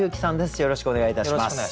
よろしくお願いします。